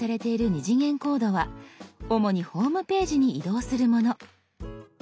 ２次元コードは主にホームページに移動するもの。